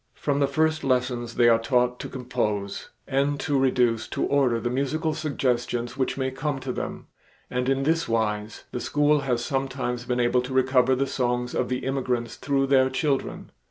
From the first lessons they are taught to compose and to reduce to order the musical suggestions which may come to them, and in this wise the school has sometimes been able to recover the songs of the immigrants through their children.